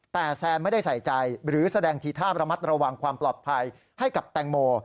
แต่แซนไม่ได้ใส่ใจหรือแสดงทีท่าระมัดระวังความปลอดภัยให้กับแตงโม